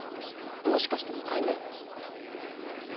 もしかして２回目？